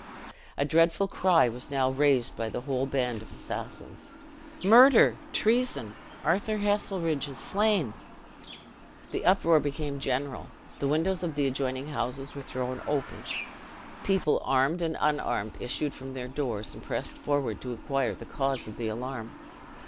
A dreadful cry was now raised by the whole band of assassins: "Murder! treason! Arthur Heselrigge is slain!" The uproar became general. The windows of the adjoining houses were thrown open; people armed and unarmed issued from their doors and pressed forward to inquire the cause of the alarm.